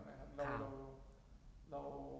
ไม่รู้ไหมครับ